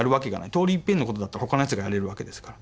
通りいっぺんのことだったら他のやつがやれるわけですから。